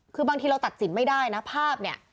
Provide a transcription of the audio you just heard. คือบางทีเราตัดสินไม่ได้นะภาพเนี่ย